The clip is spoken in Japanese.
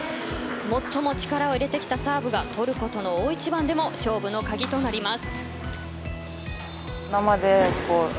最も力を入れてきたサーブがトルコとの大一番でも勝負の鍵となります。